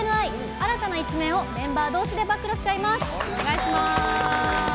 新たな一面をメンバー同士で暴露しちゃいます。